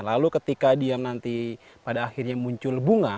lalu ketika dia nanti pada akhirnya muncul bunga